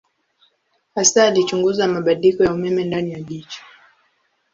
Hasa alichunguza mabadiliko ya umeme ndani ya jicho.